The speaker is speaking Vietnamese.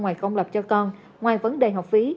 ngoài công lập cho con ngoài vấn đề học phí